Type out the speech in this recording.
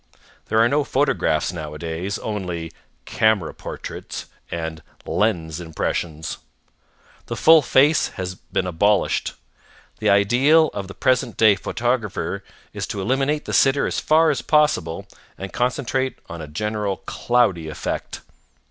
There are no photographs nowadays. Only "camera portraits" and "lens impressions." The full face has been abolished. The ideal of the present day photographer is to eliminate the sitter as far as possible and concentrate on a general cloudy effect.